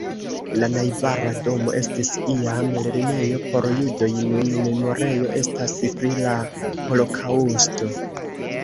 La najbara domo estis iam lernejo por judoj, nun memorejo estas pri la holokaŭsto.